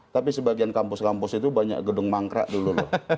tapi sebagian kampus kampus itu banyak gedung mangkrak dulu loh